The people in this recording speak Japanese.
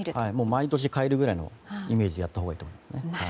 毎年変えるぐらいのイメージでやったほうがいいと思います。